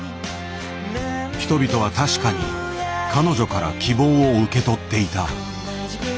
人々は確かに彼女から希望を受け取っていた。